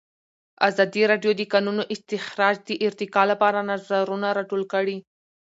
ازادي راډیو د د کانونو استخراج د ارتقا لپاره نظرونه راټول کړي.